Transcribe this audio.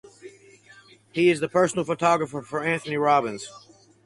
He is the personal photographer for Anthony Robbins.